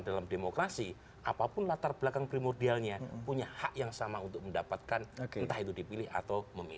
dalam demokrasi apapun latar belakang primordial nya punya hak yang sama untuk mendapatkan entah itu